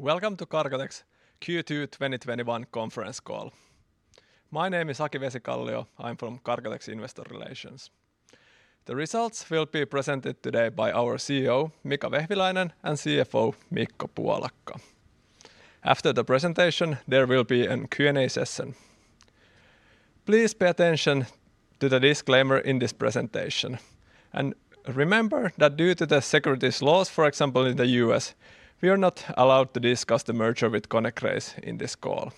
Welcome to Cargotec's Q2 2021 conference call. My name is Aki Vesikallio. I'm from Cargotec's Investor Relations. The results will be presented today by our CEO, Mika Vehviläinen, and CFO, Mikko Puolakka. After the presentation, there will be a Q&A session. Please pay attention to the disclaimer in this presentation. Remember that due to the securities laws, for example, in the U.S., we are not allowed to discuss the merger with Konecranes in this call.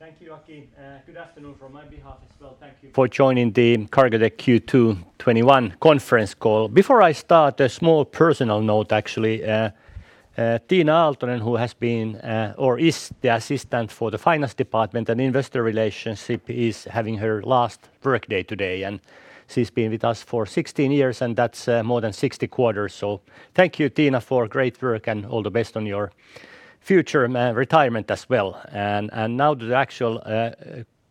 Thank you, Aki. Good afternoon from my behalf as well. Thank you for joining the Cargotec Q2 2021 conference call. Before I start, a small personal note, actually. Tiina Aaltonen, who has been or is the assistant for the finance department and investor relations, is having her last work day today. She's been with us for 16 years, and that's more than 60 quarters. Thank you, Tiina, for great work and all the best on your future retirement as well. Now the actual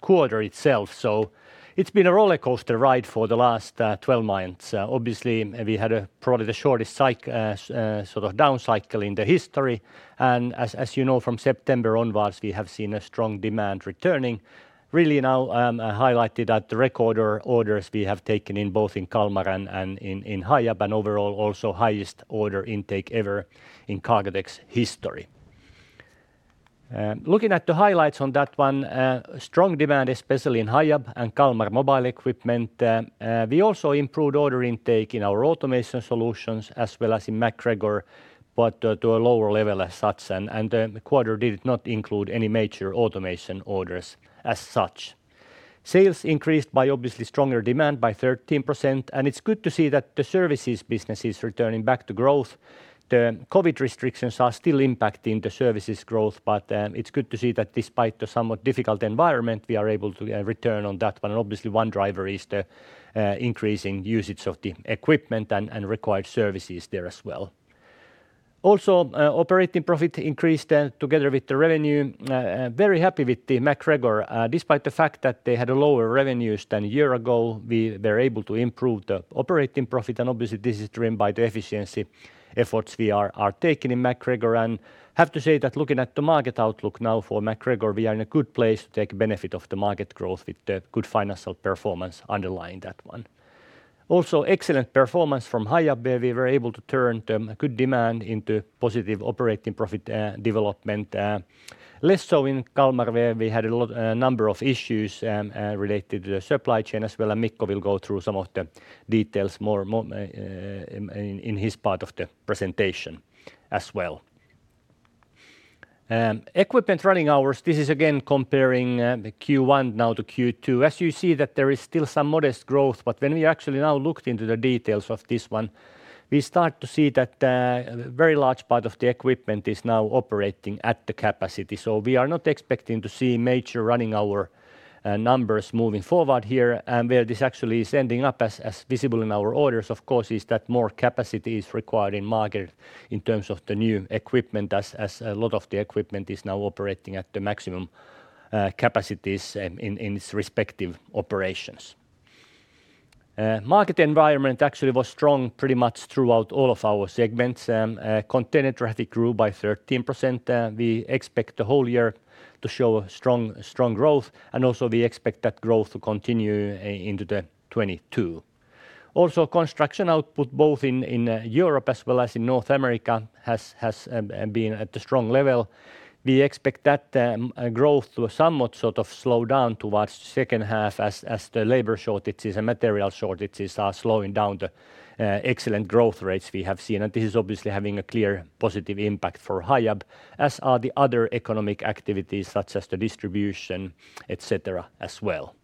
quarter itself. It's been a rollercoaster ride for the last 12 months, so obviously, we had probably the shortest sort of down cycle in the history. As you know, from September onwards, we have seen a strong demand returning, really now highlighted at the record orders we have taken in both in Kalmar and in Hiab, and overall also highest order intake ever in Cargotec's history. Looking at the highlights on that one, strong demand, especially in Hiab and Kalmar mobile equipment. We also improved order intake in our automation solutions as well as in MacGregor, but to a lower level as such, and the quarter did not include any major automation orders as such. Sales increased by obviously stronger demand by 13%, and it's good to see that the services business is returning back to growth. The COVID restrictions are still impacting the services growth, but it's good to see that despite the somewhat difficult environment, we are able to return on that one. Obviously, one driver is the increasing usage of the equipment and required services there as well. Also., operating profit increased together with the revenue. Very happy with MacGregor. Despite the fact that they had lower revenues than a year ago, they were able to improve the operating profit. Obviously, this is driven by the efficiency efforts we are taking in MacGregor. I have to say that looking at the market outlook now for MacGregor, we are in a good place to take benefit of the market growth with the good financial performance underlying that one. Excellent performance from Hiab where we were able to turn good demand into positive operating profit development. Less so in Kalmar, where we had a number of issues related to the supply chain as well. Mikko will go through some of the details in his part of the presentation as well. Equipment running hours. This is again comparing the Q1 now to Q2. As you see that there is still some modest growth, but when we actually now looked into the details of this one, we start to see that a very large part of the equipment is now operating at the capacity. We are not expecting to see major running hour numbers moving forward here, and where this actually is ending up as visible in our orders, of course, is that more capacity is required in market in terms of the new equipment, as a lot of the equipment is now operating at the maximum capacities in its respective operations. Market environment actually was strong pretty much throughout all of our segments. Container traffic grew by 13%. We expect the whole year to show strong growth, and also we expect that growth to continue into 2022. Also construction output, both in Europe as well as in North America, has been at a strong level. We expect that growth to somewhat slow down towards the second half as the labor shortages and material shortages are slowing down the excellent growth rates we have seen. This is obviously having a clear positive impact for Hiab, as are the other economic activities such as the distribution, etc, as well.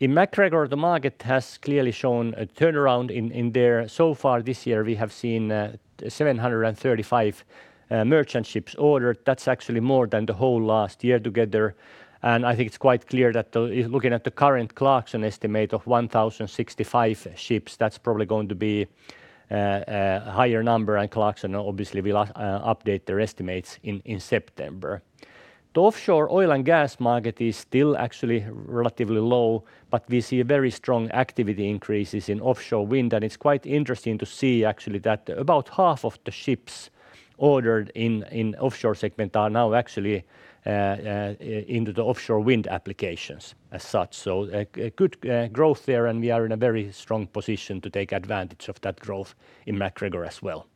In MacGregor, the market has clearly shown a turnaround in there. Far this year, we have seen 735 merchant ships ordered. That's actually more than the whole last year together, and I think it's quite clear that looking at the current Clarksons estimate of 1,065 ships, that's probably going to be a higher number, and Clarksons obviously will update their estimates in September. The offshore oil and gas market is still actually relatively low. We see very strong activity increases in offshore wind, it's quite interesting to see actually that about half of the ships ordered in offshore segment are now actually into the offshore wind applications as such. A good growth there, we are in a very strong position to take advantage of that growth in MacGregor as well.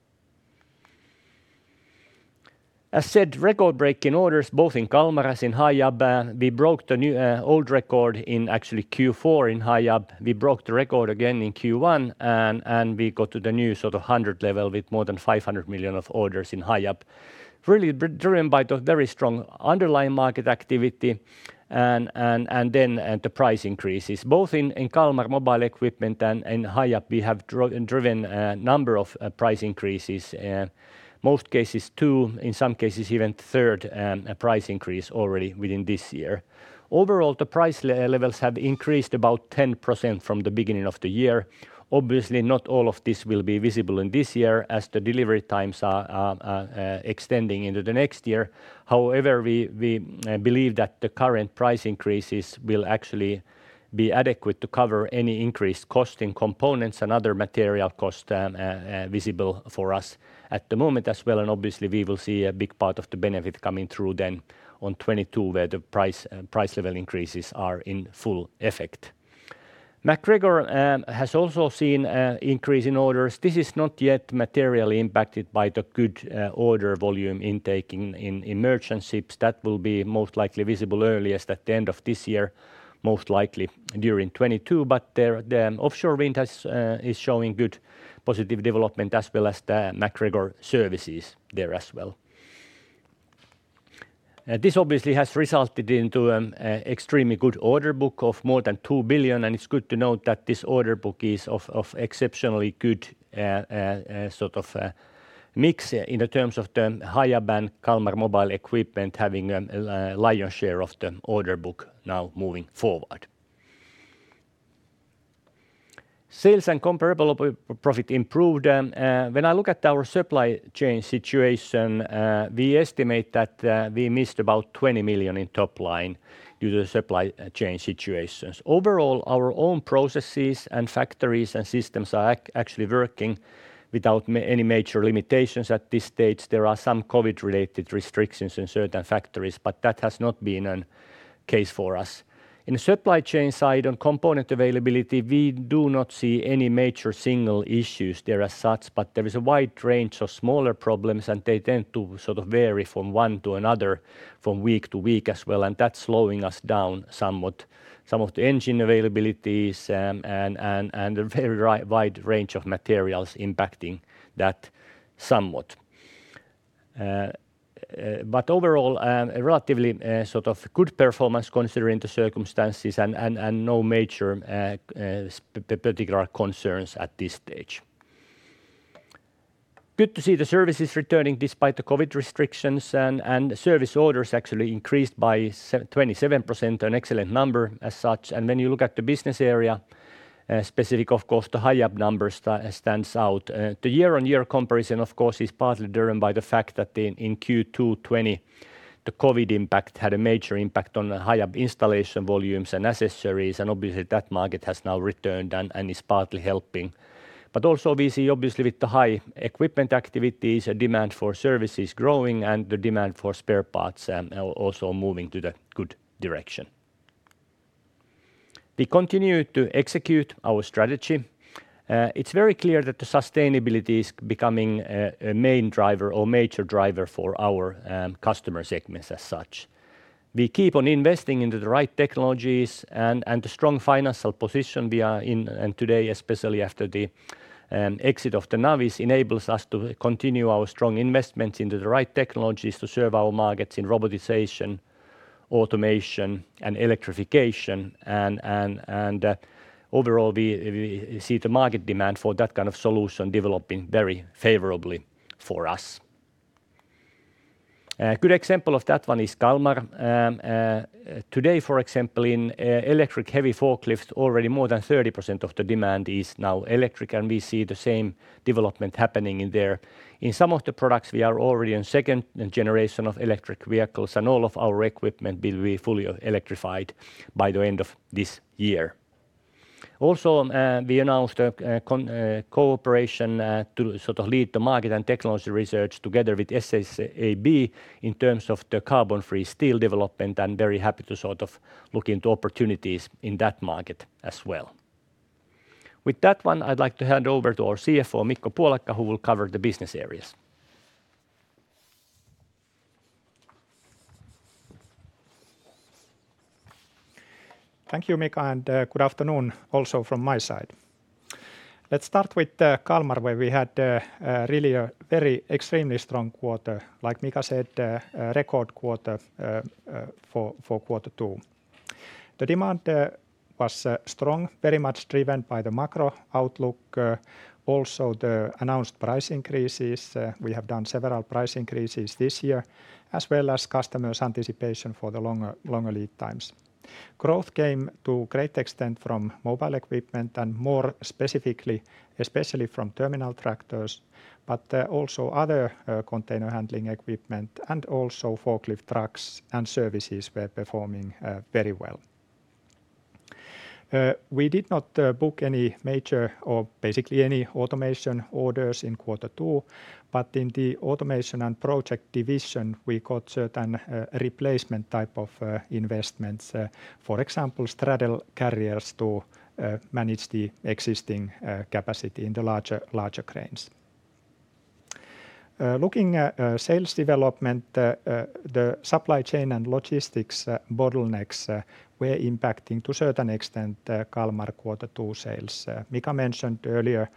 As said, record-breaking orders both in Kalmar as in Hiab. We broke the old record in actually Q4 in Hiab. We broke the record again in Q1, and we got to the new sort of100 level with more than 500 million of orders in Hiab, really driven by the very strong underlying market activity and then the price increases. Both in Kalmar mobile equipment and in Hiab, we have driven a number of price increases. Most cases two, in some cases even third and the price increase already within this year. Overall, the price levels have increased about 10% from the beginning of the year. Obviously, not all of this will be visible in this year as the delivery times are extending into the next year, however we believe that the current price increases will actually be adequate to cover any increased cost in components and other material cost visible for us at the moment as well, obviously we will see a big part of the benefit coming through then on 2022 where the price level increases are in full effect. MacGregor has also seen an increase in orders. This is not yet materially impacted by the good order volume intake in merchant ships. That will be most likely visible earliest at the end of this year, most likely during 2022 but the offshore wind is showing good positive development as well as the MacGregor services there as well. This obviously has resulted into an extremely good order book of more than 2 billion, and it's good to note that this order book is of exceptionally good mix in the terms of the Hiab and Kalmar mobile equipment having a lion's share of the order book now moving forward. Sales and comparable profit improved. When I look at our supply chain situation, we estimate that we missed about 20 million in top line due to supply chain situations. Overall, our own processes and factories and systems are actually working without any major limitations at this stage. There are some COVID-related restrictions in certain factories, but that has not been a case for us. In the supply chain side, on component availability, we do not see any major single issues there as such, but there is a wide range of smaller problems, and they tend to vary from one to another from week to week as well, and that's slowing us down somewhat. Some of the engine availabilities, and a very wide range of materials impacting that somewhat. Overall, a relatively good performance considering the circumstances and no major particular concerns at this stage. Good to see the services returning despite the COVID restrictions, and service orders actually increased by 27%, an excellent number as such. When you look at the business area, specific of course, the Hiab numbers stands out. The year-on-year comparison, of course, is partly driven by the fact that in Q2 2020, the COVID impact had a major impact on the Hiab installation volumes and accessories, and obviously that market has now returned and is partly helping, but also we see, obviously with the high equipment activities, a demand for services growing and the demand for spare parts also moving to the good direction. We continue to execute our strategy. It's very clear that sustainability is becoming a main driver or major driver for our customer segments as such. We keep on investing into the right technologies and the strong financial position we are in. Today, especially after the exit of the Navis, enables us to continue our strong investments into the right technologies to serve our markets in robotization, automation, and electrification. Overall, we see the market demand for that kind of solution developing very favorably for us. A good example of that one is Kalmar. Today, for example, in electric heavy forklifts, already more than 30% of the demand is now electric and we see the same development happening in there. In some of the products, we are already on 2nd generation of electric vehicles. All of our equipment will be fully electrified by the end of this year. Also, we announced a cooperation to lead the market and technology research together with SSAB in terms of the carbon-free steel development, and very happy to look into opportunities in that market as well. With that one, I'd like to hand over to our CFO, Mikko Puolakka, who will cover the business areas. Thank you, Mika, and good afternoon also from my side. Let's start with Kalmar, where we had really a very extremely strong quarter. Like Mika said, a record quarter for quarter two. The demand was strong, very much driven by the macro outlook. Also the announced price increases. We have done several price increases this year, as well as customers' anticipation for the longer lead times. Growth came to a great extent from mobile equipment, and more specifically, especially from terminal tractors, but also other container handling equipment and also forklift trucks and services were performing very well. We did not book any major or basically any automation orders in quarter two, but in the automation and project division, we got certain replacement type of investments. For example, straddle carriers to manage the existing capacity in the larger cranes. Looking at sales development, the supply chain and logistics bottlenecks were impacting to a certain extent Kalmar quarter two sales. Mika mentioned earlier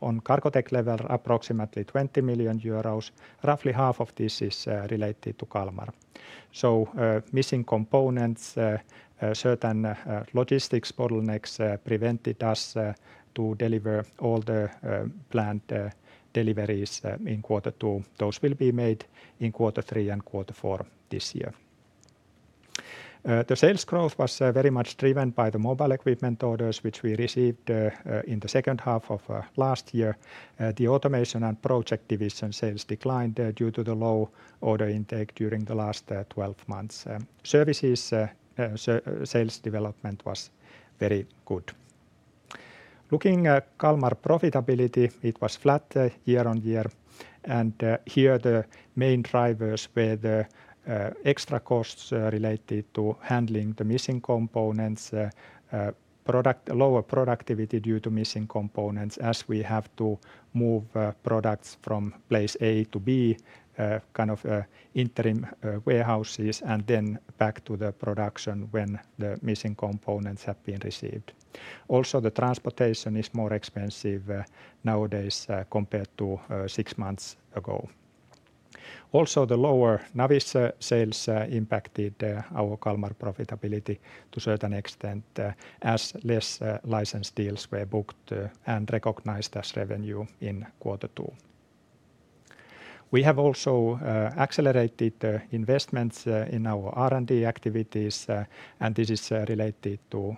on Cargotec level, approximately 20 million euros. Roughly half of this is related to Kalmar. Missing components, certain logistics bottlenecks prevented us to deliver all the planned deliveries in quarter two. Those will be made in quarter three and quarter four this year. The sales growth was very much driven by the mobile equipment orders, which we received in the second half of last year. The automation and project division sales declined due to the low order intake during the last 12 months. Services sales development was very good. Looking at Kalmar profitability, it was flat year-over-year and here the main drivers were the extra costs related to handling the missing components, lower productivity due to missing components as we have to move products from place A to B, kind of interim warehouses, and then back to the production when the missing components have been received. Also, the transportation is more expensive nowadays compared to six months ago. The lower Navis sales impacted our Kalmar profitability to a certain extent as less license deals were booked and recognized as revenue in Q2. We have also accelerated investments in our R&D activities, and this is related to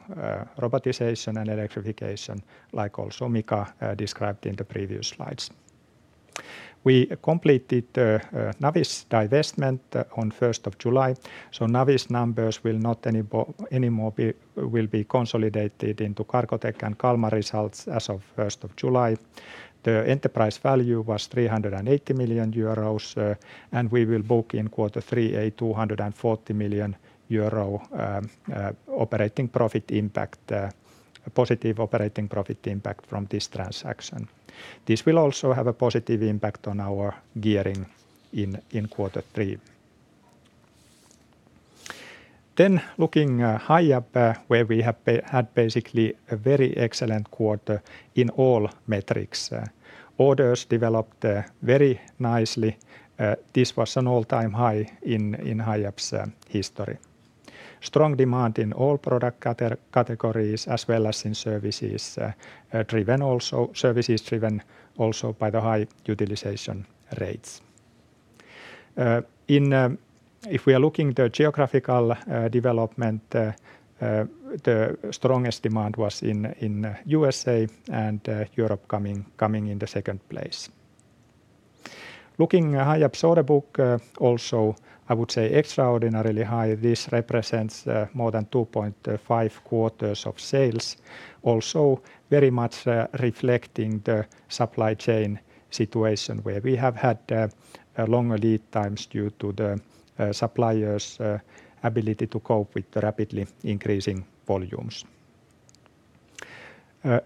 robotization and electrification like also Mika described in the previous slides. We completed Navis divestment on 1st of July. Navis numbers will not anymore be consolidated into Cargotec and Kalmar results as of 1st of July. The enterprise value was 380 million euros. We will book in Q3 a 240 million euro positive operating profit impact from this transaction. This will also have a positive impact on our gearing in Q3. Looking at Hiab, where we have had basically a very excellent quarter in all metrics. Orders developed very nicely. This was an all-time high in Hiab's history. Strong demand in all product categories as well as in services driven also by the high utilization rates. If we are looking at the geographical development, the strongest demand was in U.S.A., and Europe coming in the second place. Looking at Hiab order book, also I would say extraordinarily high. This represents more than 2.5 quarters of sales, also very much reflecting the supply chain situation where we have had longer lead times due to the suppliers' ability to cope with the rapidly increasing volumes.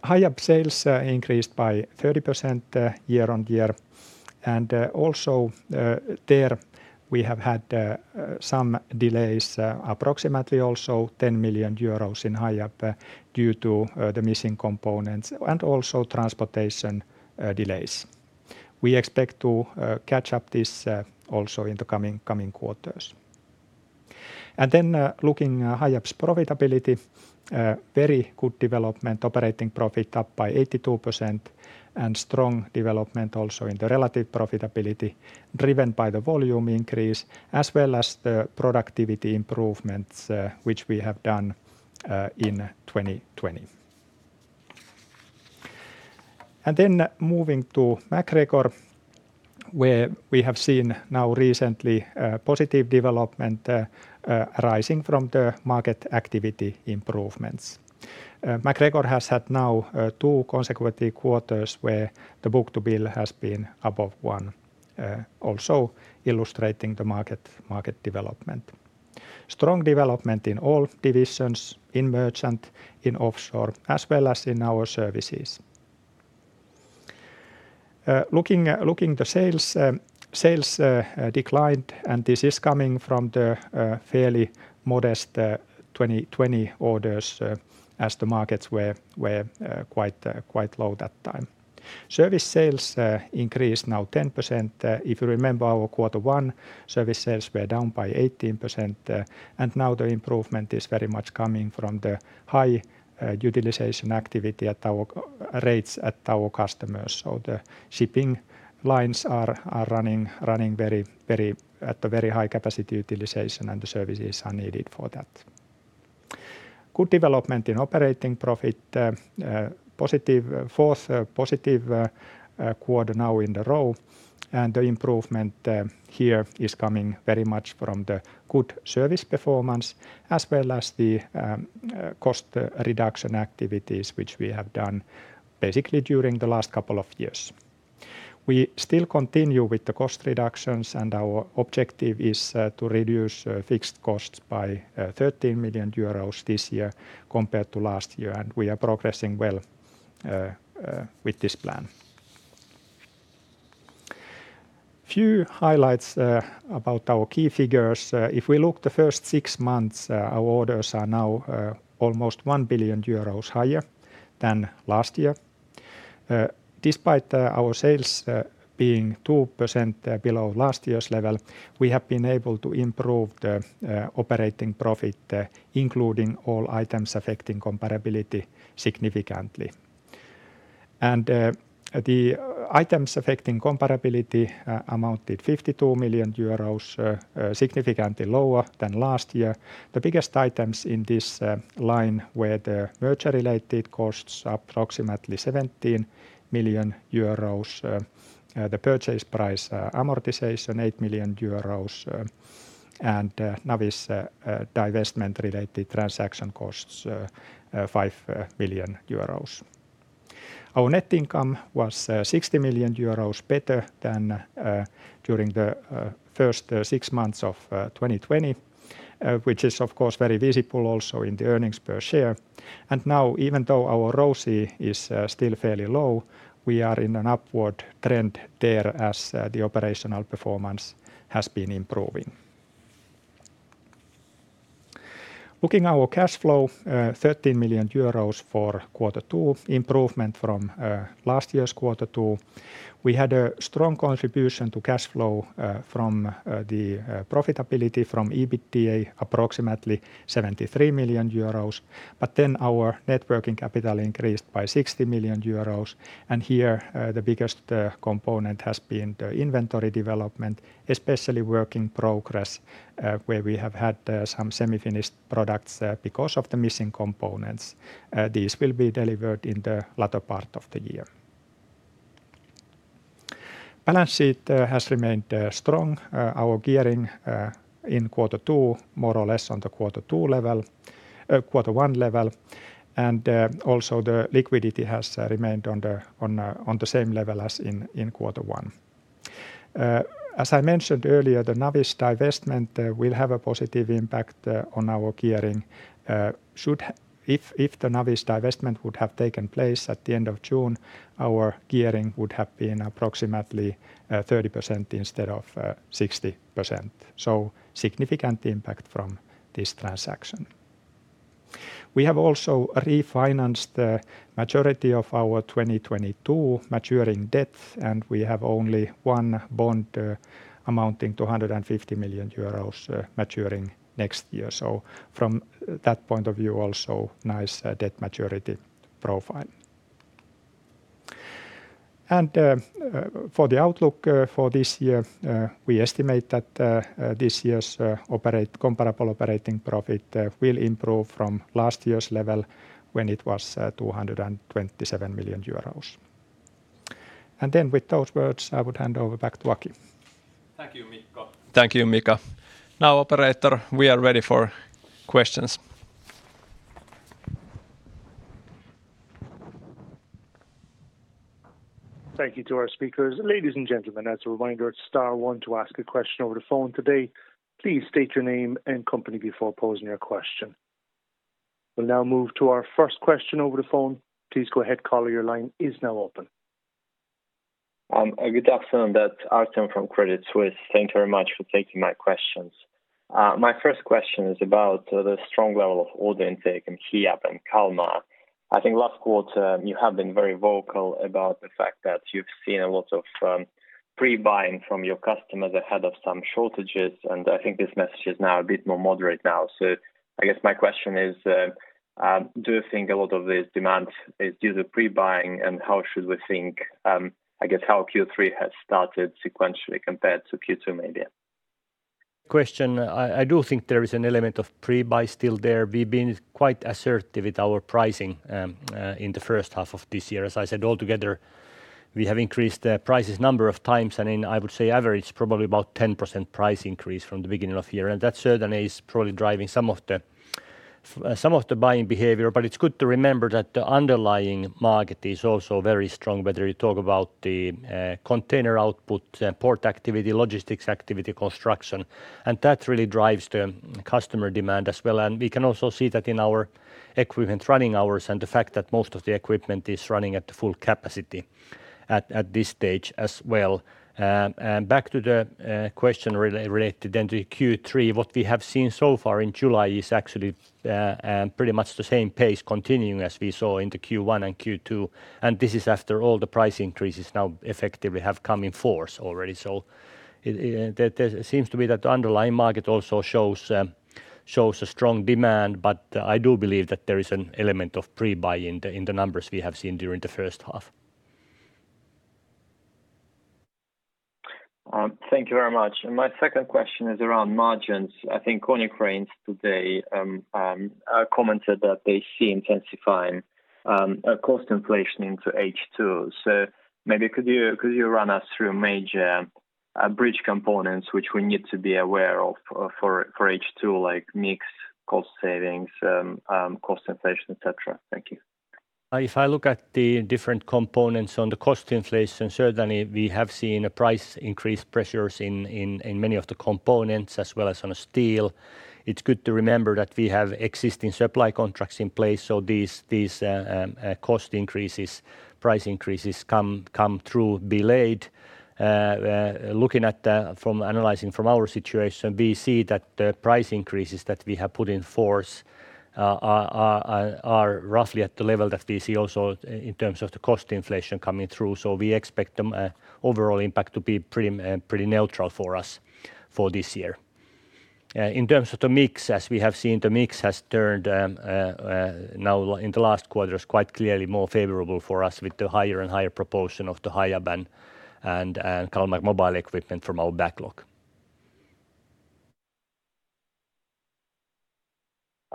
Hiab sales increased by 30% year-on-year. Also there we have had some delays, approximately 10 million euros in Hiab due to the missing components and also transportation delays. We expect to catch up this also in the coming quarters. Looking at Hiab's profitability, very good development. Operating profit up by 82% and strong development also in the relative profitability driven by the volume increase as well as the productivity improvements which we have done in 2020. Moving to MacGregor, where we have seen now recently a positive development arising from the market activity improvements. MacGregor has had now two consecutive quarters where the book-to-bill has been above one, also illustrating the market development. Strong development in all divisions, in merchant, in offshore, as well as in our services. Looking at the sales declined and this is coming from the fairly modest 2020 orders as the markets were quite low that time. Service sales increased now 10%. If you remember our quarter one service sales were down by 18%, and now the improvement is very much coming from the high utilization activity rates at our customers so the shipping lines are running at a very high capacity utilization, and the services are needed for that. Good development in operating profit. Fourth positive quarter now in the row, the improvement here is coming very much from the good service performance as well as the cost reduction activities, which we have done basically during the last couple of years. We still continue with the cost reductions, our objective is to reduce fixed costs by 13 million euros this year compared to last year. We are progressing well with this plan. Few highlights about our key figures. If we look the first six months, our orders are now almost 1 billion euros higher than last year. Despite our sales being 2% below last year's level, we have been able to improve the operating profit including all items affecting comparability significantly. The items affecting comparability amounted 52 million euros, significantly lower than last year. The biggest items in this line were the merger-related costs, approximately 17 million euros. The purchase price amortization, 8 million euros. Navis divestment related transaction costs, 5 million euros. Our net income was 60 million euros better than during the first six months of 2020, which is of course very visible also in the earnings per share. Now even though our ROCE is still fairly low, we are in an upward trend there as the operational performance has been improving. Looking our cash flow, 13 million euros for quarter two, improvement from last year's quarter two, we had a strong contribution to cash flow from the profitability from EBITDA, approximately 73 million euros but then our net working capital increased by 60 million euros. Here, the biggest component has been the inventory development, especially work in progress, where we have had some semi-finished products because of the missing components and these will be delivered in the latter part of the year. Balance sheet has remained strong. Our gearing in quarter two, more or less on the quarter one level, and also the liquidity has remained on the same level as in quarter one. As I mentioned earlier, the Navis divestment will have a positive impact on our gearing. If the Navis divestment would have taken place at the end of June, our gearing would have been approximately 30% instead of 60%, so significant impact from this transaction. We have also refinanced the majority of our 2022 maturing debt, and we have only one bond amounting to 150 million euros maturing next year. From that point of view also, nice debt maturity profile. For the outlook for this year, we estimate that this year's comparable operating profit will improve from last year's level when it was 227 million euros. With those words, I would hand over back to Aki. Thank you, Mika. Now operator, we are ready for questions. Thank you to our speakers. Ladies and gentlemen, as a reminder, it's star one to ask a question over the phone today. Please state your name and company before posing your question. We'll now move to our first question over the phone. Please go ahead, caller, your line is now open. Good afternoon, that's Artem from Credit Suisse. Thank you very much for taking my questions. My first question is about the strong level of order intake in Hiab and Kalmar. I think last quarter you have been very vocal about the fact that you've seen a lot of pre-buying from your customers ahead of some shortages, and I think this message is now a bit more moderate now. I guess my question is, do you think a lot of this demand is due to pre-buying, and how should we think, I guess how Q3 has started sequentially compared to Q2 maybe? Question. I do think there is an element of pre-buy still there. We've been quite assertive with our pricing in the first half of this year. As I said, altogether, we have increased the prices number of times, and in, I would say average, probably about 10% price increase from the beginning of the year. That certainly is probably driving some of the buying behavior. It's good to remember that the underlying market is also very strong, whether you talk about the container output, port activity, logistics activity, construction and that really drives the customer demand as well. We can also see that in our equipment running hours, and the fact that most of the equipment is running at full capacity at this stage as well. Back to the question related then to Q3, what we have seen so far in July is actually pretty much the same pace continuing as we saw in the Q1 and Q2. This is after all the price increases now effectively have come in force already. It seems to be that the underlying market also shows a strong demand, but I do believe that there is an element of pre-buy in the numbers we have seen during the first half. Thank you very much. My second question is around margins. I think Konecranes today commented that they see intensifying cost inflation into H2. Maybe could you run us through major bridge components which we need to be aware of for H2, like mix, cost savings, cost inflation, etc.? Thank you. If I look at the different components on the cost inflation, certainly we have seen a price increase pressures in many of the components as well as on steel. It's good to remember that we have existing supply contracts in place. These cost increases, price increases come through delayed. Analyzing from our situation, we see that the price increases that we have put in force are roughly at the level that we see also in terms of the cost inflation coming through. We expect the overall impact to be pretty neutral for us for this year. In terms of the mix, as we have seen, the mix has turned now in the last quarters, quite clearly more favorable for us with the higher and higher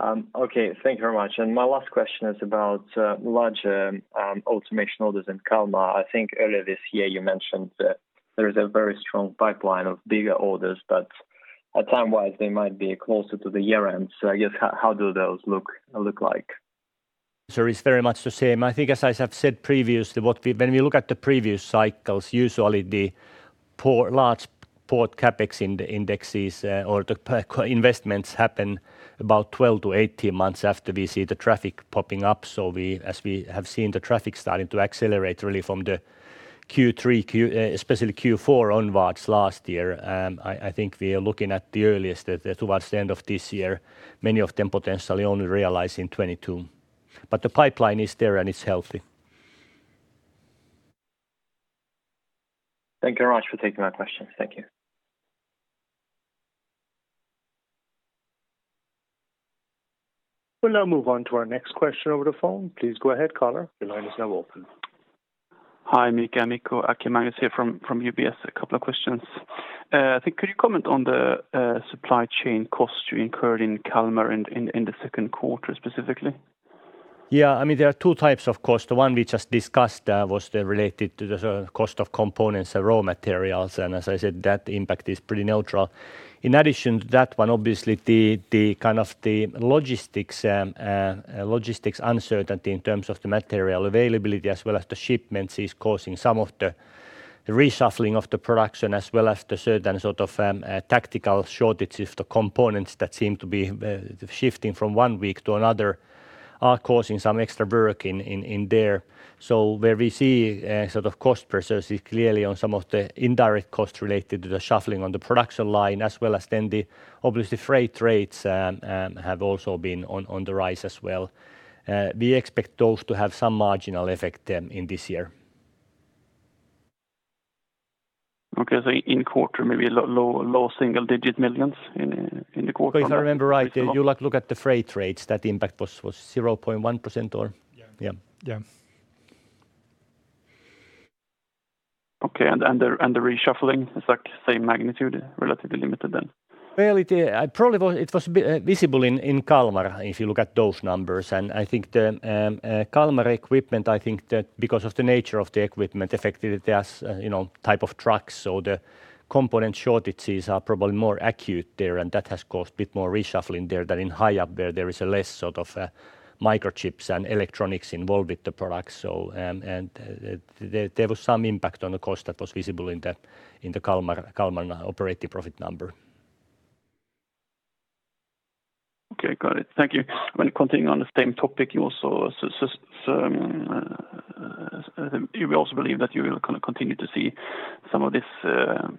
proportion of the Hiab and Kalmar mobile equipment from our backlog. Okay, thank you very much. My last question is about large automation orders in Kalmar. I think earlier this year you mentioned there is a very strong pipeline of bigger orders, at time wise, they might be closer to the year-end. I guess, how do those look like? It's very much the same. I think, as I have said previously, when we look at the previous cycles, usually the large port CapEx indexes or the investments happen about 12-18 months after we see the traffic popping up. As we have seen the traffic starting to accelerate really from the Q3, especially Q4 onwards last year, I think we are looking at the earliest towards the end of this year, many of them potentially only realized in 2022. The pipeline is there and it's healthy. Thank you very much for taking my questions. Thank you. We'll now move on to our next question over the phone. Please go ahead, caller. Your line is now open. Hi Mika, Mikko, Aki Magnus here from UBS. A couple of questions. Could you comment on the supply chain cost you incurred in Kalmar in the second quarter specifically? Yeah, I mean, there are two types of cost. The one we just discussed was related to the cost of components and raw materials, and as I said, that impact is pretty neutral. In addition to that one, obviously the logistics uncertainty in terms of the material availability as well as the shipments is causing some of the reshuffling of the production, as well as the certain sort of tactical shortage of the components that seem to be shifting from one week to another are causing some extra work in there. Where we see cost pressures is clearly on some of the indirect costs related to the shuffling on the production line, as well as then obviously freight rates have also been on the rise as well and we expect those to have some marginal effect then in this year. Okay. in quarter, maybe a low single digit millions in the quarter. If I remember right, you look at the freight rates, that impact was 0.1%. Yeah. Yeah. Yeah. Okay, the reshuffling is that same magnitude, relatively limited then? Well, probably it was visible in Kalmar if you look at those numbers. I think the Kalmar equipment, I think that because of the nature of the equipment affected as type of trucks or the component shortages are probably more acute there, and that has caused a bit more reshuffling there than in Hiab where there is less microchips and electronics involved with the product and there was some impact on the cost that was visible in the Kalmar operating profit number. Okay, got it. Thank you. When continuing on the same topic, you also believe that you will continue to see some of this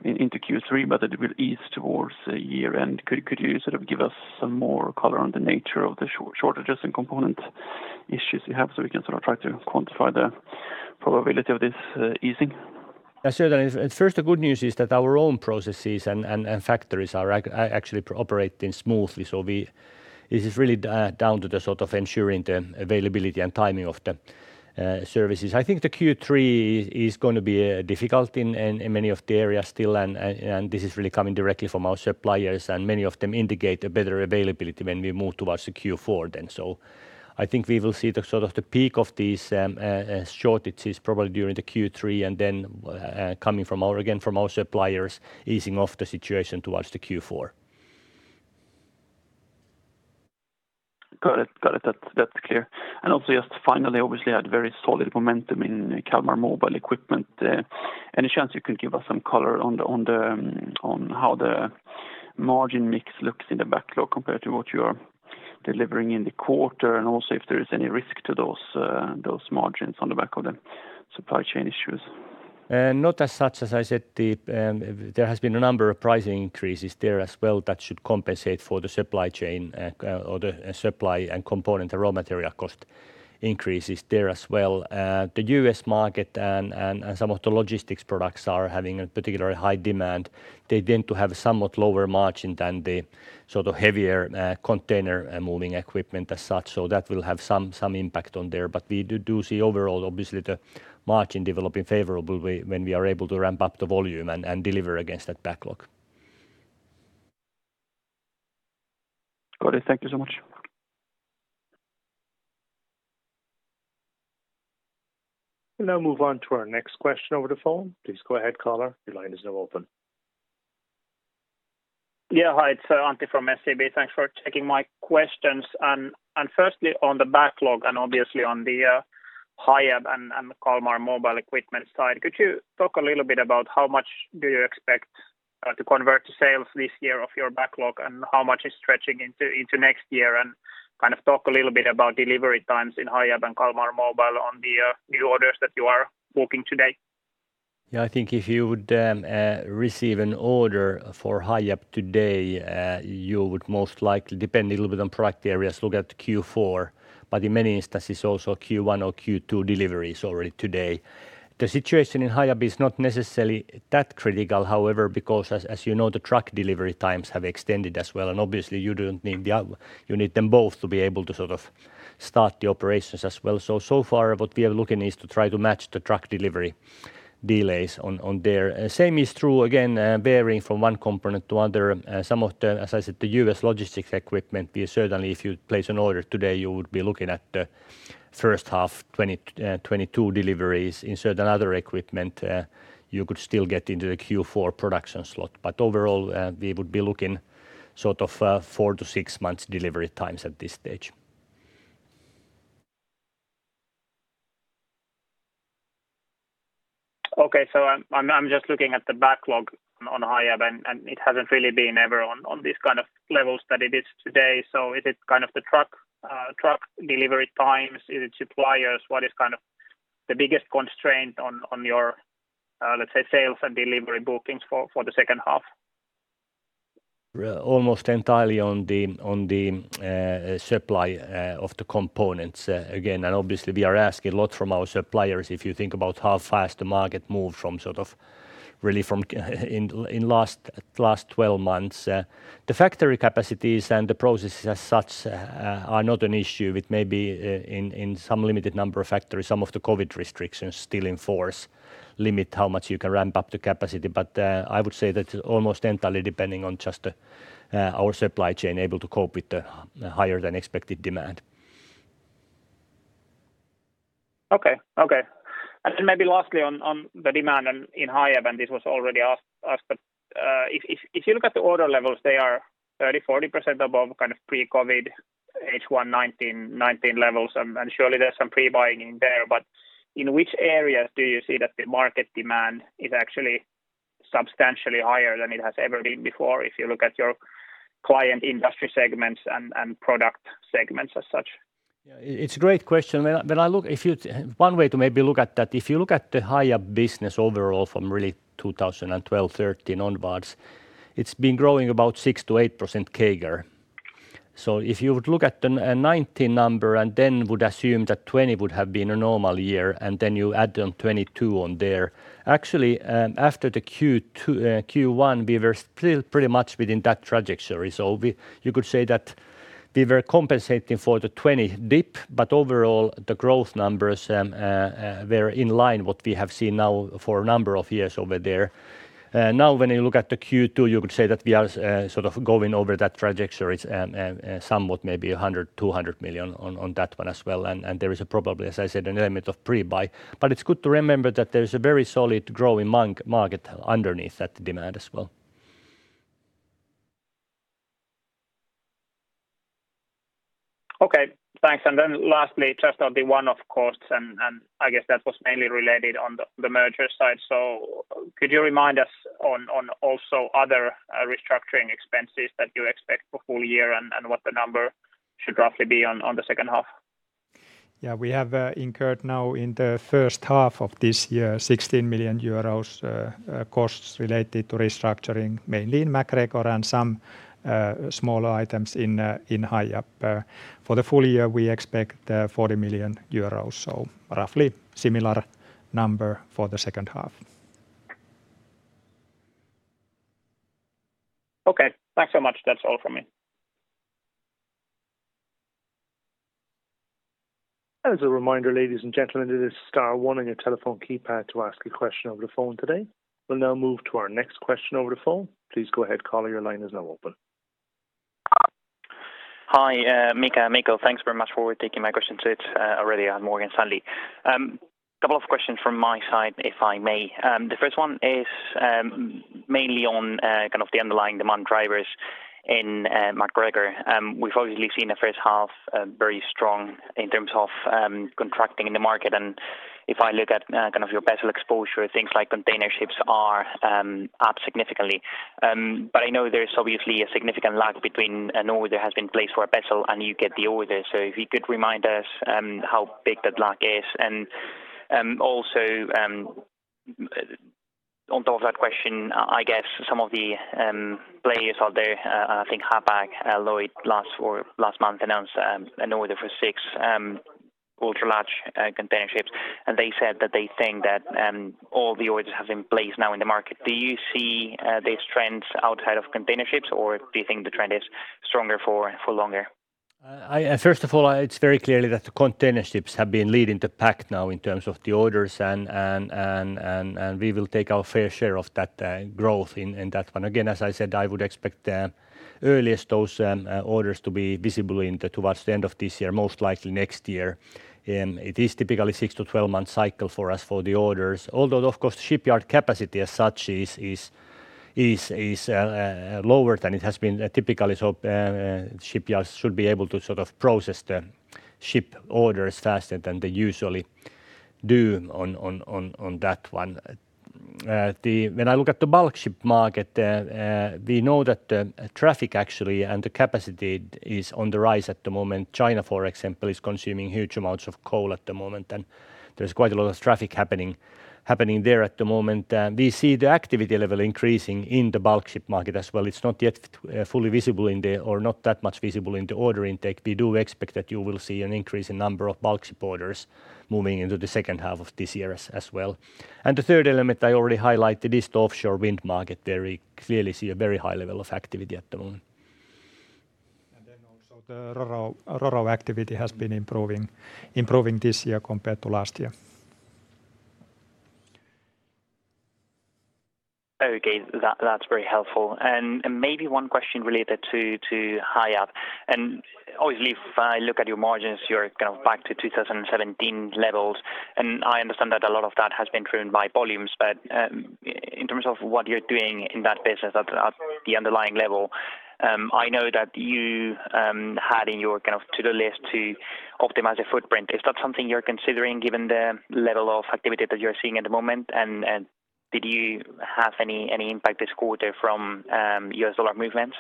into Q3, but that it will ease towards the year-end. Could you give us some more color on the nature of the shortages and component issues you have so we can try to quantify the probability of this easing? Yeah, certainly. First, the good news is that our own processes and factories are actually operating smoothly. This is really down to ensuring the availability and timing of the services. I think the Q3 is going to be difficult in many of the areas still, and this is really coming directly from our suppliers, and many of them indicate a better availability when we move towards the Q4 then. I think we will see the peak of these shortages probably during the Q3, and then coming again from our suppliers easing off the situation towards the Q4. Got it. That's clear. Just finally, obviously you had very solid momentum in Kalmar mobile equipment. Any chance you could give us some color on how the margin mix looks in the backlog compared to what you are delivering in the quarter, and also if there is any risk to those margins on the back of the supply chain issues? Not as such. As I said, there has been a number of pricing increases there as well that should compensate for the supply chain or the supply and component, the raw material cost increases there as well. The U.S. market and some of the logistics products are having a particularly high demand. They tend to have a somewhat lower margin than the heavier container moving equipment as such so that will have some impact on there. We do see overall, obviously, the margin developing favorably when we are able to ramp up the volume and deliver against that backlog. Got it. Thank you so much. We'll now move on to our next question over the phone. Please go ahead, caller. Your line is now open. Yeah, hi. It's Antti from SEB. Thanks for taking my questions. Firstly, on the backlog, and obviously on the Hiab and Kalmar mobile equipment side, could you talk a little bit about how much do you expect to convert to sales this year of your backlog and how much is stretching into next year? Talk a little bit about delivery times in Hiab and Kalmar mobile on the new orders that you are booking today. Yeah, I think if you would receive an order for Hiab today, you would most likely, depending a little bit on product areas, look at Q4, but in many instances, also Q1 or Q2 deliveries already today. The situation in Hiab is not necessarily that critical, however, because as you know, the truck delivery times have extended as well, and obviously you need them both to be able to start the operations as well. So far what we are looking is to try to match the truck delivery delays on there. The same is true, again, varying from one component to other. Some of the, as I said, the U.S. logistics equipment, certainly if you place an order today, you would be looking at the first half 2022 deliveries. In certain other equipment, you could still get into the Q4 production slot but overall, we would be looking four to six months delivery times at this stage. Okay. I'm just looking at the backlog on Hiab, and it hasn't really been ever on these kind of levels that it is today. Is it the truck delivery times? Is it suppliers? What is the biggest constraint on your, let's say, sales and delivery bookings for the second half? We're almost entirely on the supply of the components again and obviously we are asking a lot from our suppliers, if you think about how fast the market moved really in last 12 months. The factory capacities and the processes as such are not an issue with maybe in some limited number of factories, some of the COVID restrictions still in force limit how much you can ramp up the capacity. I would say that almost entirely depending on just our supply chain able to cope with the higher than expected demand. Okay. Maybe lastly on the demand in Hiab, and this was already asked, but if you look at the order levels, they are 305, 40% above pre-COVID H1 2019 levels, and surely there is some pre-buying in there, but in which areas do you see that the market demand is actually substantially higher than it has ever been before if you look at your client industry segments and product segments as such? Yeah. It's a great question. One way to maybe look at that, if you look at the Hiab business overall from really 2012, 2013 onwards, it's been growing about 6%-8% CAGR. If you would look at the 2019 number and then would assume that 2020 would have been a normal year, and then you add the 2022 on there, actually, after the Q1, we were still pretty much within that trajectory. You could say that we were compensating for the 2020 dip, but overall, the growth numbers were in line what we have seen now for a number of years over there. Now when you look at the Q2, you could say that we are sort of going over that trajectory and somewhat maybe 100 million-200 million on that one as well. There is a probably, as I said, an element of pre-buy. It's good to remember that there's a very solid growing market underneath that demand as well. Okay. Thanks. Lastly, just on the one-off costs, I guess that was mainly related on the merger side. Could you remind us on also other restructuring expenses that you expect for full year and what the number should roughly be on the second half? Yeah. We have incurred now in the first half of this year, 16 million euros costs related to restructuring, mainly in MacGregor and some smaller items in Hiab. For the full year, we expect 40 million euros, so roughly similar number for the second half. Okay. Thanks so much. That's all from me. As a reminder, ladies and gentlemen, it is star one on your telephone keypad to ask a question over the phone today. We will now move to our next question over the phone. Please go ahead, caller, your line is now open. Hi, Mika and Mikko. Thanks very much for taking my questions. It's Aurelio at Morgan Stanley. Couple of questions from my side, if I may. The first one is mainly on kind of the underlying demand drivers in MacGregor and we've obviously seen the first half very strong in terms of contracting in the market, and if I look at kind of your vessel exposure, things like container ships are up significantly. I know there's obviously a significant lag between an order has been placed for a vessel and you get the order. If you could remind us how big that lag is, and also on top of that question, I guess some of the players out there, I think Hapag-Lloyd last month announced an order for six ultra-large container ships, and they said that they think that all the orders have been placed now in the market. Do you see these trends outside of container ships, or do you think the trend is stronger for longer? First of all, it's very clear that the container ships have been leading the pack now in terms of the orders, and we will take our fair share of that growth in that one. Again, as I said, I would expect earliest those orders to be visible towards the end of this year, most likely next year. It is typically 6-12 months cycle for us for the orders. Of course, shipyard capacity as such is lower than it has been typically. Shipyards should be able to sort of process the ship orders faster than they usually do on that one. When I look at the bulk ship market, we know that traffic actually, and the capacity is on the rise at the moment. China, for example, is consuming huge amounts of coal at the moment, and there's quite a lot of traffic happening there at the moment. We see the activity level increasing in the bulk ship market as well. It's not yet fully visible in there or not that much visible in the order intake. We do expect that you will see an increase in number of bulk ship orders moving into the second half of this year as well. The third element I already highlighted is the offshore wind market. There we clearly see a very high level of activity at the moment. Also the ro-ro activity has been improving this year compared to last year. Okay. That's very helpful. Maybe one question related to Hiab, obviously if I look at your margins, you're kind of back to 2017 levels, I understand that a lot of that has been driven by volumes, but in terms of what you're doing in that business at the underlying level, I know that you had in your to-do list to optimize the footprint. Is that something you're considering given the level of activity that you're seeing at the moment? Did you have any impact this quarter from US. dollar movements?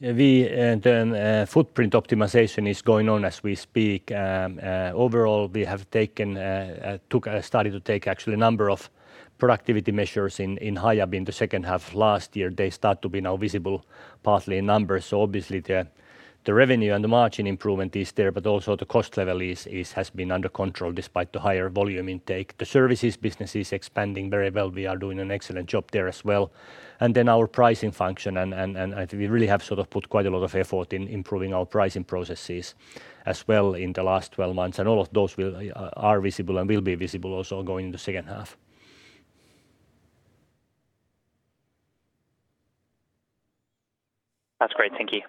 The footprint optimization is going on as we speak. Overall, we have started to take actually a number of productivity measures in Hiab in the second half of last year. They start to be now visible partly in numbers. Obviously, the revenue and the margin improvement is there, but also the cost level has been under control despite the higher volume intake. The services business is expanding very well. We are doing an excellent job there as well and then our pricing function, and I think we really have put quite a lot of effort in improving our pricing processes as well in the last 12 months. All of those are visible and will be visible also going in the second half That's great. Thank you.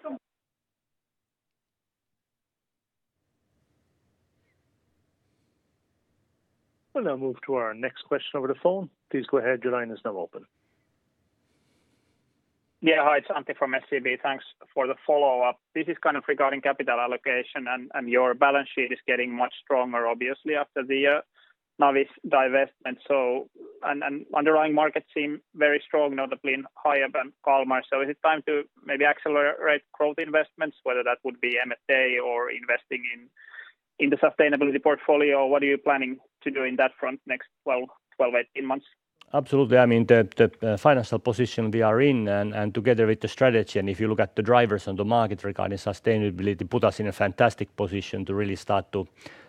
We'll now move to our next question over the phone. Please go ahead. Your line is now open. Yeah. Hi, it's Antti from SEB. Thanks for the follow-up. This is regarding capital allocation, and your balance sheet is getting much stronger, obviously, after the Navis divestment. Underlying markets seem very strong, notably in Hiab and Kalmar. Is it time to maybe accelerate growth investments, whether that would be M&A or investing in the sustainability portfolio, or what are you planning to do in that front next 12, 18 months? Absolutely. The financial position we are in and together with the strategy, and if you look at the drivers on the market regarding sustainability, put us in a fantastic position to really start to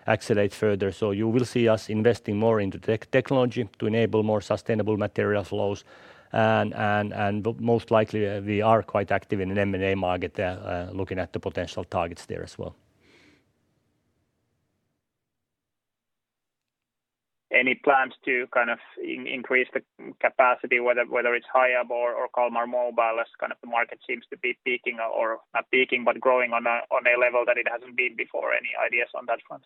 accelerate further. You will see us investing more into technology to enable more sustainable material flows. Most likely, we are quite active in an M&A market there, looking at the potential targets there as well. Any plans to increase the capacity, whether it's Hiab or Kalmar mobile, as the market seems to be peaking, or not peaking, but growing on a level that it hasn't been before? Any ideas on that front?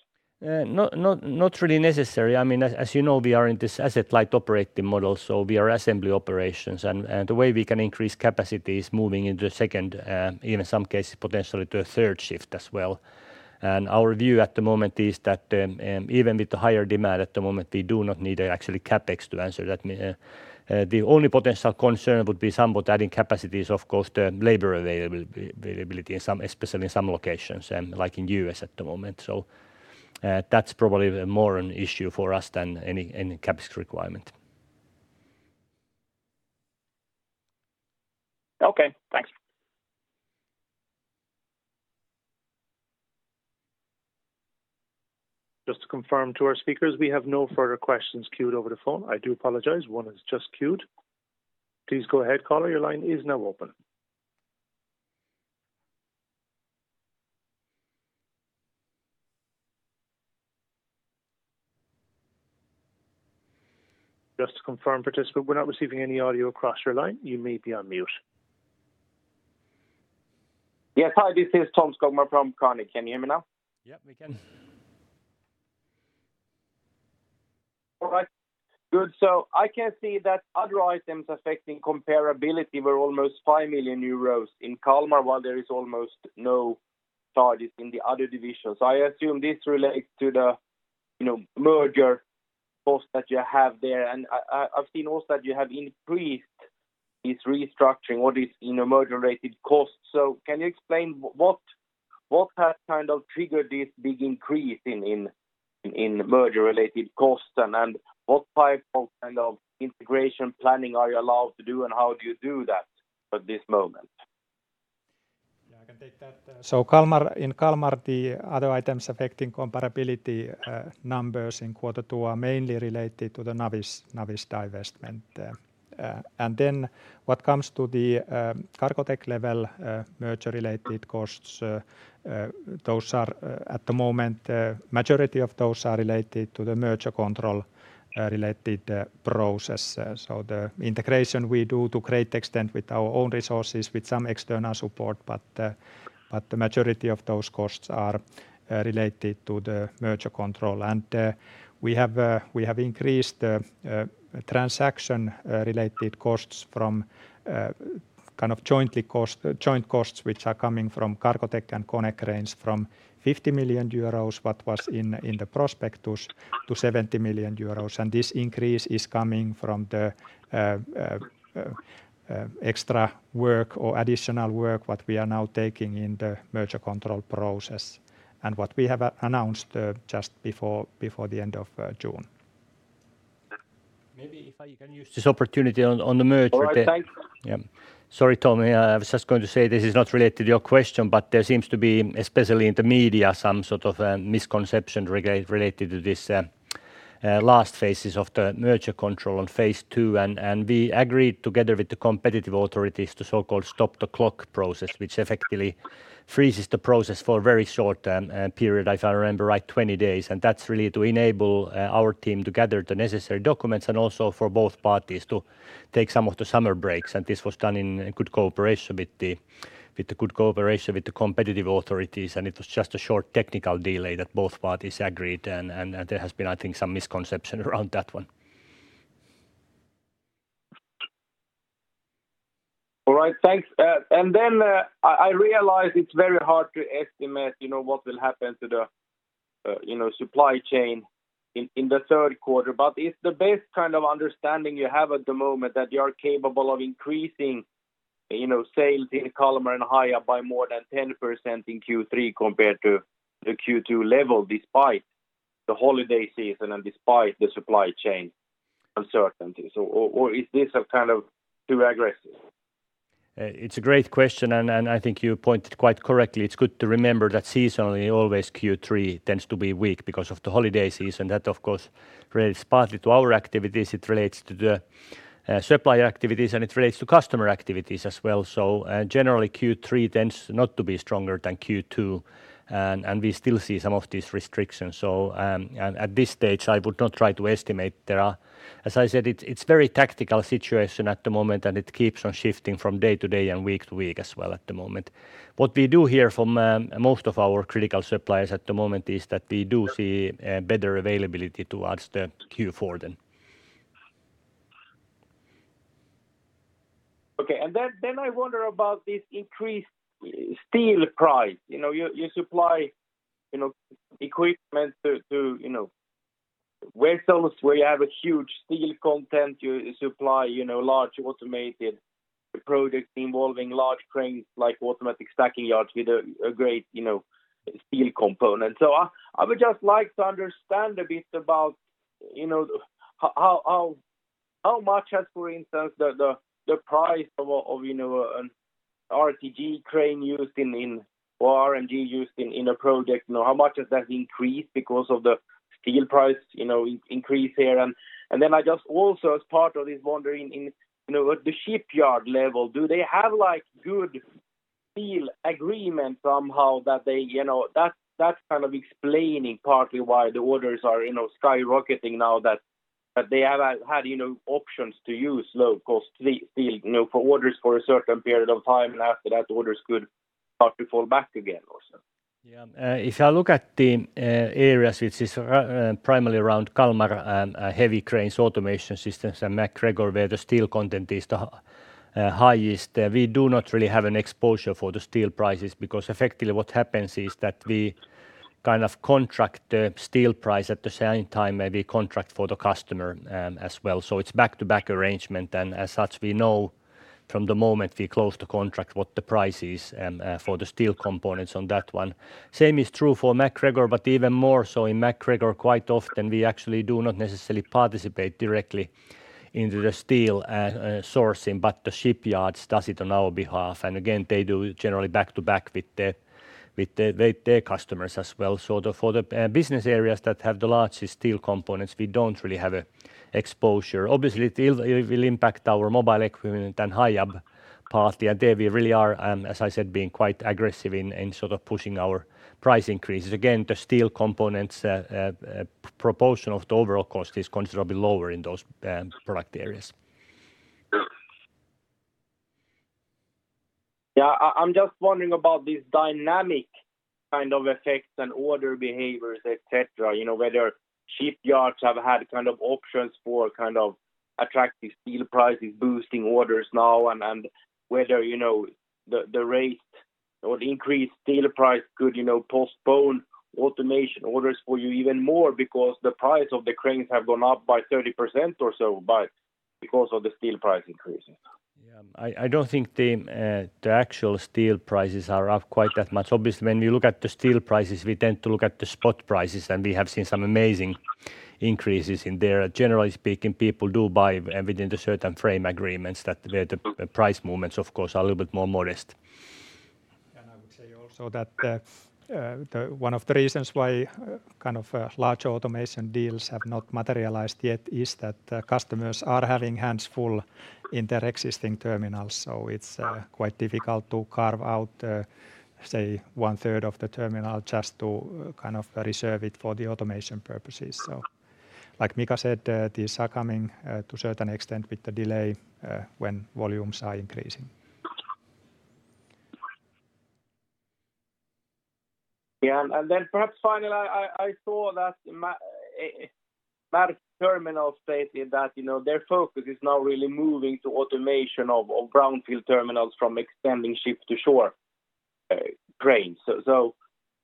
Not really necessary. As you know, we are in this asset-light operating model, so we are assembly operations. The way we can increase capacity is moving into a second, even some cases potentially to a third shift as well. Our view at the moment is that even with the higher demand at the moment, we do not need actually CapEx to answer that. The only potential concern would be somewhat adding capacities, of course, the labor availability, especially in some locations, like in U.S. at the moment so that's probably more an issue for us than any CapEx requirement. Okay, thanks. Just to confirm to our speakers, we have no further questions queued over the phone. I do apologize. One has just queued. Please go ahead, caller. Your line is now open. Just to confirm, participant, we are not receiving any audio across your line. You may be on mute. Yes. Hi, this is Tom Skogman from Carnegie. Can you hear me now? Yeah, we can. All right, good. I can see that other items affecting comparability were almost 5 million euros in Kalmar, while there is almost no charges in the other divisions. I assume this relates to the merger costs that you have there. I've seen also that you have increased this restructuring what is merger-related cost. Can you explain what has triggered this big increase in merger-related costs and what type of integration planning are you allowed to do, and how do you do that at this moment? Yeah, I can take that. In Kalmar, the other items affecting comparability numbers in quarter two are mainly related to the Navis divestment. What comes to the Cargotec level merger-related costs, at the moment, majority of those are related to the merger control related process. The integration we do to great extent with our own resources, with some external support, but the majority of those costs are related to the merger control. We have increased transaction-related costs from joint costs, which are coming from Cargotec and Konecranes from 50 million euros, what was in the prospectus, to 70 million euros. This increase is coming from the extra work or additional work what we are now taking in the merger control process and what we have announced just before the end of June. Maybe if I can use this opportunity on the merger there. All right, thanks. Sorry, Tom, I was just going to say this is not related to your question, but there seems to be, especially in the media, some sort of misconception related to this last phases of the merger control on phase 2. We agreed together with the competitive authorities, the so-called stop-the-clock process, which effectively freezes the process for a very short period, if I remember right, 20 days. That's really to enable our team to gather the necessary documents and also for both parties to take some of the summer breaks. This was done in good cooperation with the competitive authorities, and it was just a short technical delay that both parties agreed, and there has been, I think, some misconception around that one. All right. Thanks. I realize it's very hard to estimate what will happen to the supply chain in the third quarter, but is the best kind of understanding you have at the moment that you are capable of increasing sales in Kalmar and Hiab by more than 10% in Q3 compared to the Q2 level, despite the holiday season and despite the supply chain uncertainties, or is this too aggressive? It's a great question, and I think you pointed quite correctly. It's good to remember that seasonally, always Q3 tends to be weak because of the holiday season. That, of course, relates partly to our activities, it relates to the supplier activities, and it relates to customer activities as well. Generally, Q3 tends not to be stronger than Q2, and we still see some of these restrictions. At this stage, I would not try to estimate. As I said, it's very tactical situation at the moment, and it keeps on shifting from day to day and week to week as well at the moment. What we do hear from most of our critical suppliers at the moment is that we do see better availability towards the Q4 then. Okay. I wonder about this increased steel price. You supply equipment to warehouses where you have a huge steel content. You supply large automated products involving large cranes, like automatic stacking yards with a great steel component. I would just like to understand a bit about how much has, for instance, the price of an RTG crane or RTG used in a project, how much has that increased because of the steel price increase here? I just also, as part of this, wondering in at the shipyard level, do they have good steel agreement somehow that is kind of explaining partly why the orders are skyrocketing now that they have had options to use low-cost steel for orders for a certain period of time, and after that, the orders could start to fall back again also? Yeah. If I look at the areas which is primarily around Kalmar and heavy cranes automation systems and MacGregor, where the steel content is the highest, we do not really have an exposure for the steel prices because effectively what happens is that we kind of contract the steel price at the same time maybe contract for the customer as well. It's back-to-back arrangement, and as such, we know from the moment we close the contract what the price is for the steel components on that one. Same is true for MacGregor, but even more so in MacGregor, quite often, we actually do not necessarily participate directly into the steel sourcing, but the shipyards does it on our behalf and again, they do generally back-to-back with their customers as well. For the business areas that have the largest steel components, we don't really have exposure. Obviously, it will impact our mobile equipment and Hiab partly, and there we really are, as I said, being quite aggressive in sort of pushing our price increases. Again, the steel components proportion of the overall cost is considerably lower in those product areas. Yeah. I'm just wondering about these dynamic kind of effects and order behaviors, etc. Whether shipyards have had options for kind of attractive steel prices, boosting orders now, and whether the raised or increased steel price could postpone automation orders for you even more because the price of the cranes have gone up by 30% or so, but because of the steel price increasing. Yeah. I don't think the actual steel prices are up quite that much. Obviously, when we look at the steel prices, we tend to look at the spot prices, and we have seen some amazing increases in there. Generally speaking, people do buy within the certain frame agreements that where the price movements, of course, are a little bit more modest. I would say also that one of the reasons why large automation deals have not materialized yet is that customers are having hands full in their existing terminals. It's quite difficult to carve out, say, 1/3 of the terminal just to kind of reserve it for the automation purposes. Like Mika said, these are coming to a certain extent with the delay when volumes are increasing. Yeah. Perhaps finally, I saw that terminals stating that their focus is now really moving to automation of brownfield terminals from extending ship-to-shore cranes. Do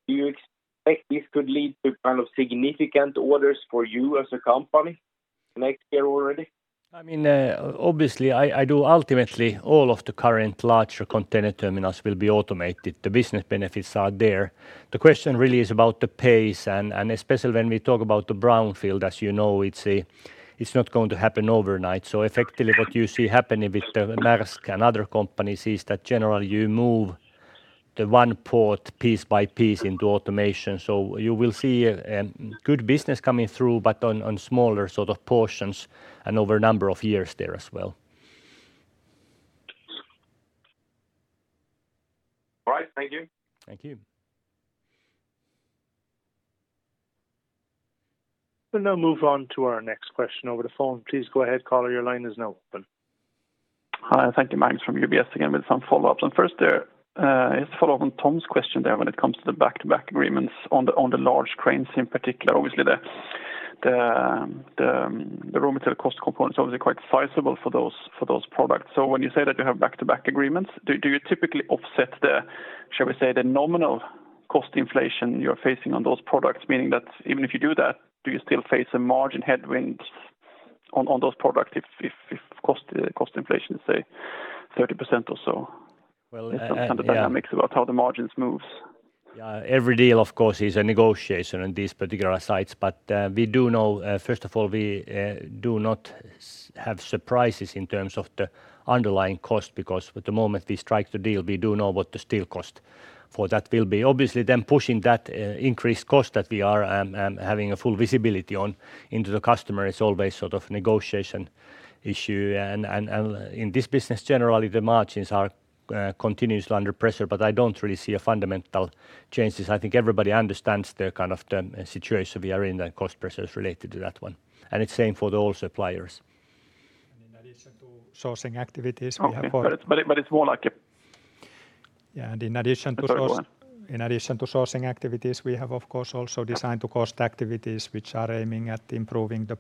you expect this could lead to kind of significant orders for you as a company next year already? Obviously, I do. Ultimately, all of the current larger container terminals will be automated. The business benefits are there. The question really is about the pace and especially when we talk about the brownfield, as you know, it's not going to happen overnight. Effectively, what you see happening with the Maersk and other companies is that generally you move the one port piece by piece into automation. You will see a good business coming through, but on smaller sort of portions and over a number of years there as well. All right. Thank you. Thank you. We'll now move on to our next question over the phone. Please go ahead, caller, your line is now open. Hi. Thank you. Magnus from UBS again with some follow-ups. First there, it's a follow-up on Tom's question there when it comes to the back-to-back agreements on the large cranes in particular. Obviously, the raw material cost component is obviously quite sizable for those products. When you say that you have back-to-back agreements, do you typically offset the, shall we say, the nominal cost inflation you're facing on those products? Meaning that even if you do that, do you still face a margin headwind on those products if cost inflation is, say, 30% or so? Well- ...some kind of dynamics about how the margins moves. Yeah. Every deal, of course, is a negotiation on these particular sites. We do know, first of all, we do not have surprises in terms of the underlying cost because at the moment we strike the deal, we do know what the steel cost for that will be. Obviously, then pushing that increased cost that we are having a full visibility on into the customer is always sort of negotiation issue. In this business generally, the margins are continuously under pressure, but I don't really see a fundamental changes. I think everybody understands the kind of the situation we are in, the cost pressures related to that one, and it's same for all suppliers. In addition to sourcing activities. Okay. it's more like a- Yeah. Sorry, go on. in addition to sourcing activities, we have of course also designed to cost activities which are aiming at improving the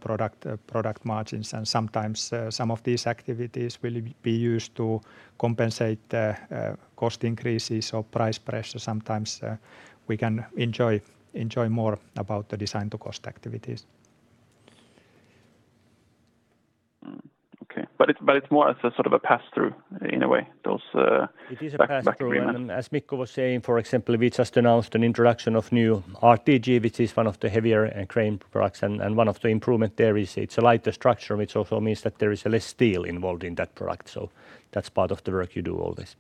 product margins and sometimes some of these activities will be used to compensate cost increases or price pressure. Sometimes we can enjoy more about the design to cost activities. Okay. It's more as a sort of a pass through in a way, those back-to-back agreements. It is a pass through and as Mikko was saying, for example, we just announced an introduction of new RTG, which is one of the heavier crane products and one of the improvement there is it's a lighter structure, which also means that there is less steel involved in that product, so that's part of the work you do always.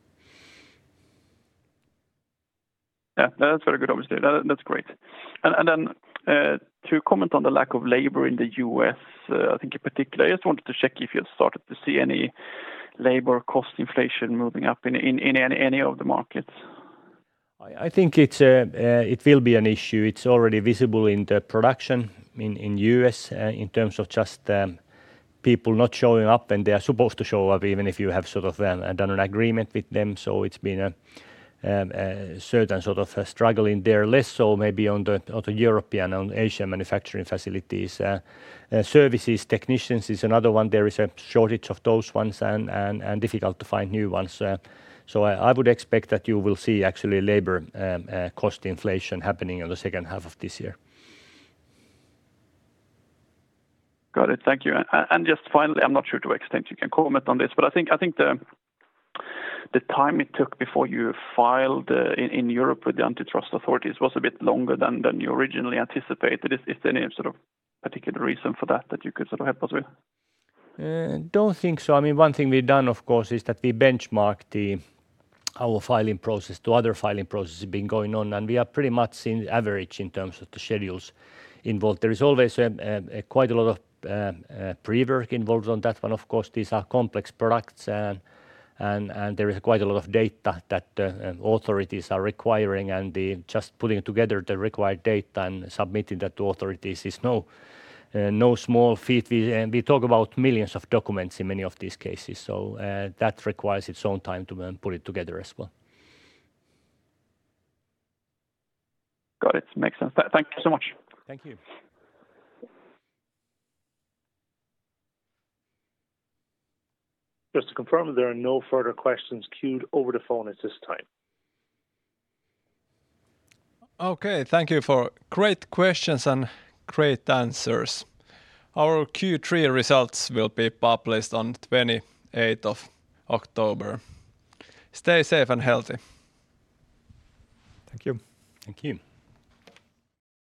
Yeah. That's very good obviously. That's great. Then to comment on the lack of labor in the U.S., I think in particular, I just wanted to check if you had started to see any labor cost inflation moving up in any of the markets. I think it will be an issue. It's already visible in the production in U.S. in terms of just people not showing up and they are supposed to show up even if you have sort of done an agreement with them. It's been a certain sort of struggle in there less so maybe on the European, on Asian manufacturing facilities. Services technicians is another one. There is a shortage of those ones and difficult to find new ones. I would expect that you will see actually labor cost inflation happening in the second half of this year. Got it. Thank you. Just finally, I'm not sure to what extent you can comment on this, but I think the time it took before you filed in Europe with the antitrust authorities was a bit longer than you originally anticipated. Is there any sort of particular reason for that that you could sort of help us with? I don't think so. One thing we've done, of course, is that we benchmarked our filing process to other filing processes been going on, and we are pretty much on average in terms of the schedules involved. There is always quite a lot of pre-work involved on that one. These are complex products and there is quite a lot of data that authorities are requiring and just putting together the required data and submitting that to authorities is no small feat. We talk about millions of documents in many of these cases so that requires its own time to put it together as well. Got it. Makes sense. Thank you so much. Thank you. Just to confirm, there are no further questions queued over the phone at this time. Okay. Thank you for great questions and great answers. Our Q3 results will be published on 28th of October. Stay safe and healthy. Thank you. Thank you.